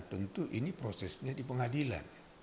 tentu ini prosesnya di pengadilan